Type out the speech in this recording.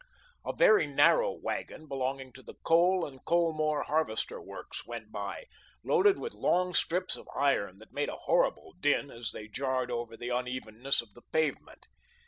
A very narrow wagon, belonging to the Cole & Colemore Harvester Works, went by, loaded with long strips of iron that made a horrible din as they jarred over the unevenness of the pavement.